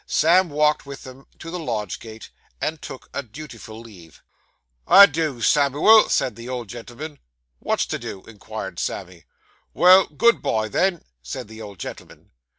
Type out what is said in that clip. Sam walked with them to the lodge gate, and took a dutiful leave. 'A do, Samivel,' said the old gentleman. 'Wot's a do?' inquired Sammy. 'Well, good bye, then,' said the old gentleman.